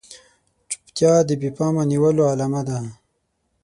چوپتيا د بې پامه نيولو علامه ده.